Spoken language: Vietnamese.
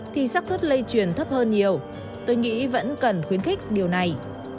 thì sắc xuất lây truyền thấp hơn nhiều tôi nghĩ vẫn cần khuyến khích điều này